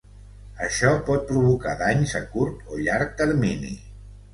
Això pot provocar danys a curt o llarg termini.